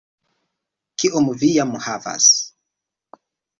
Kiom vi jam havas?